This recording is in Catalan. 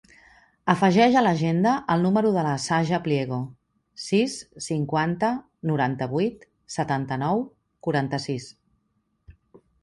Afegeix a l'agenda el número de la Saja Pliego: sis, cinquanta, noranta-vuit, setanta-nou, quaranta-sis.